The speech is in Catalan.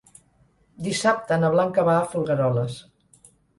Dissabte na Blanca va a Folgueroles.